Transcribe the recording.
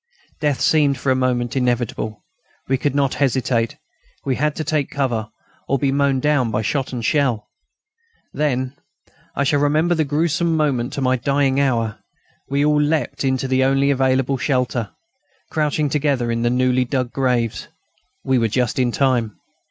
Death seemed for a moment inevitable. We could not hesitate; we had to take cover, or to be mown down by shot or shell. Then I shall remember the gruesome moment to my dying hour we all leaped into the only available shelter crouching together in the newly dug graves. We were just in time.